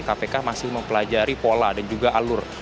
kpk masih mempelajari pola dan juga alur